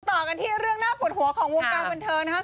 ต่อกันที่เรื่องน่าปวดหัวของวงการบันเทิงนะครับ